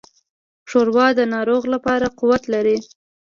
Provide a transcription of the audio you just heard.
ښوروا د ناروغ لپاره قوت لري.